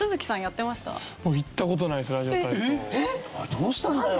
どうしたんだよ。